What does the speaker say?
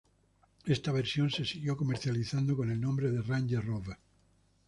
Esta versión se siguió comercializando con el nombre de Range Rover.